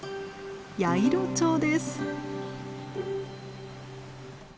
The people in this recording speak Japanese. ヤイロチョウです。